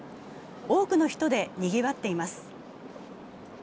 多くの人でにぎわっています。